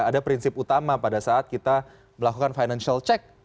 ada prinsip utama pada saat kita melakukan financial check